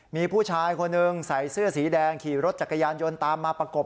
มีผู้ชายคนหนึ่งใส่เสื้อสีแดงขี่รถจักรยานยนต์ตามมาประกบ